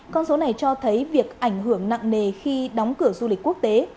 con số này cho thấy việc ảnh hưởng nặng nề khi đóng cửa du lịch quốc tế